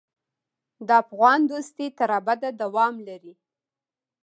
د افغان دوستي تر ابده دوام لري.